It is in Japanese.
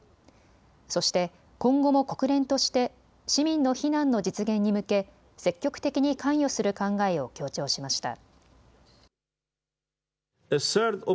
そして今後も国連として市民の避難の実現に向け積極的に関与する考えを強調しました。